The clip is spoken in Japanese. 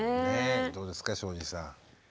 どうですか庄司さん。